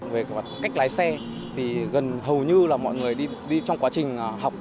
về cách lái xe hầu như mọi người đi trong quá trình học